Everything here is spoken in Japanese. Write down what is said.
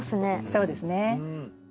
そうですね。